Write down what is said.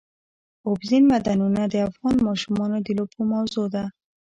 اوبزین معدنونه د افغان ماشومانو د لوبو موضوع ده.